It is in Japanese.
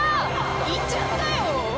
行っちゃったよ。